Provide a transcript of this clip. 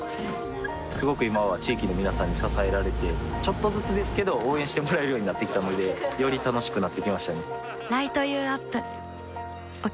すごく今は地域の皆さんに支えられてちょっとずつですけど応援してもらえるようになってきたのでより楽しくなってきましたね